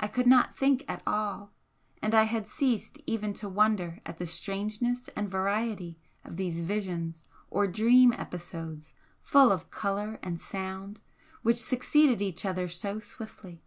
I could not think at all and I had ceased even to wonder at the strangeness and variety of these visions or dream episodes full of colour and sound which succeeded each other so swiftly.